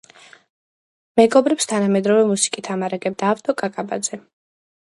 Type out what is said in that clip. მეგობრებს თანამედროვე მუსიკით ამარაგებდა ავთო კაკაბაძე.